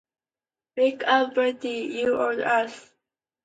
Wake up, Bertie, you old ass!